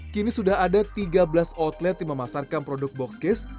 kini sudah ada tiga belas outlet yang memasarkan produk boxcase